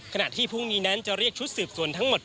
ขณะที่พรุ่งนี้นั้นจะเรียกชุดสืบสวนทั้งหมด